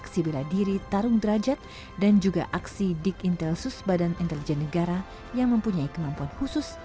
aksi bela diri tarung derajat dan juga aksi dikintelsus badan intelijen negara yang mempunyai kemampuan khusus